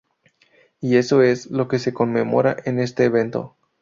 Y eso es, lo que se conmemora en este evento.